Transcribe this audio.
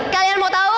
kalian mau tau